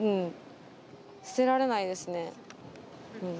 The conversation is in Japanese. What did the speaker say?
捨てられないですね。